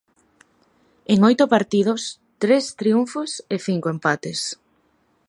En oito partidos, tres triunfos e cinco empates.